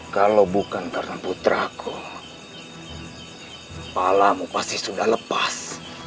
kalau bukan karena putraku kepalamu pasti sudah lepas